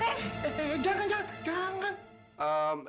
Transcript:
jangan jangan jangan